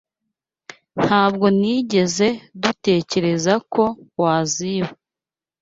Ntabwo nigeze dutekereza ko waziba.